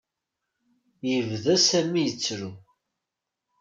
Yebda Sami yettru.